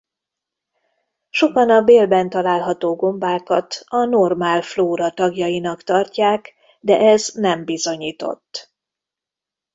Sokan a bélben található gombákat a normál flóra tagjainak tartják de ez nem bizonyított.